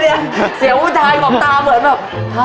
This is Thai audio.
เดี๋ยวเสียงผู้ชายขอบตาเหมือนแบบ